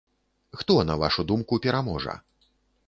Хто, на вашу думку, пераможа?